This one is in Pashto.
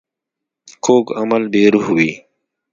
کوږ عمل بې روح وي